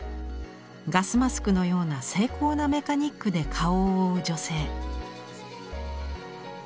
ガスマスクのような精巧なメカニックで顔を覆う女性。